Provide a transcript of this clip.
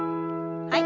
はい。